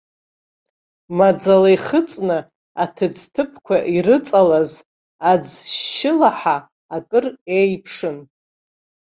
Маӡала ихыҵны аҭыӡҭыԥқәа ирыҵалаз аӡ-шьшьылаҳа акыр еиԥшын.